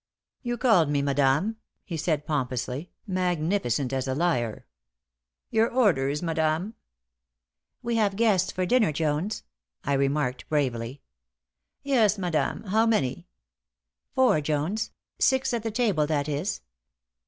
"You called me, madame," he said, pompously, magnificent as a liar. "Your orders, madame?" "We have guests for dinner, Jones," I remarked, bravely. "Yes, madame. How many?" "Four, Jones. Six at the table, that is.